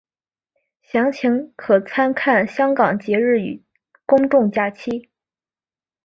详情可参看香港节日与公众假期。